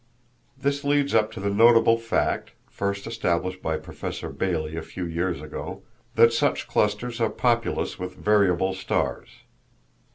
This leads up to the notable fact, first established by Professor Bailey a few years ago, that such clusters are populous with variable stars.